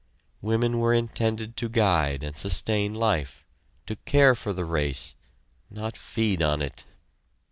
Women were intended to guide and sustain life, to care for the race; not feed on it.